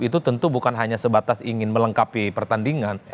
itu tentu bukan hanya sebatas ingin melengkapi pertandingan